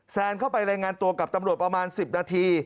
แซนเข้าไปรายงานตัวกับตำรวจประมาณ๑๐นาที